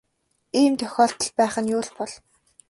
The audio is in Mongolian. Ийм тохиолдол байх нь юу л бол.